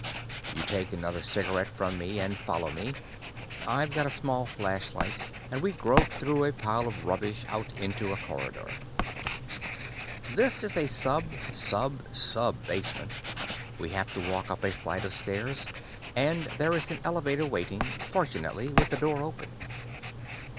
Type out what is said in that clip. You take another cigaret from me, and follow me. I've got a small flashlight and we grope through a pile of rubbish, out into a corridor. This is a sub sub sub basement. We have to walk up a flight of stairs, and there is an elevator waiting, fortunately with the door open.